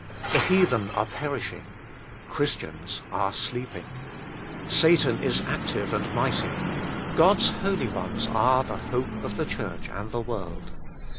The heathen are perishing. Christians are sleeping. Satan is active and mighty. God's holy ones are the hope of the Church and the world.